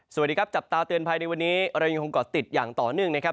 สวัสดีครับจับตาเตือนภัยในวันนี้เรายังคงเกาะติดอย่างต่อเนื่องนะครับ